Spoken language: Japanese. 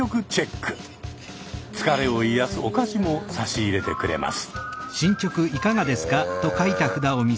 疲れを癒やすお菓子も差し入れてくれます。